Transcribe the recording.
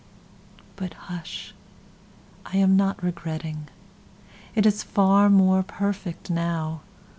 But hush, I am not regretting:It is far more perfect now.